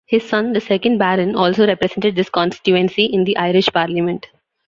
His son, the second Baron, also represented this constituency in the Irish Parliament.